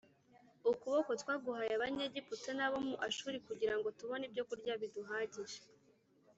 Ukuboko twaguhaye Abanyegiputa n’abo mu Ashuri, Kugira ngo tubone ibyokurya biduhagije.